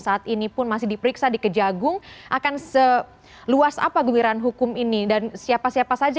saat ini pun masih diperiksa di kejagung akan seluas apa geliran hukum ini dan siapa siapa saja